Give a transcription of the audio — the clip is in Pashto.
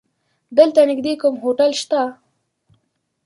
دلته نيږدې کوم هوټل شته؟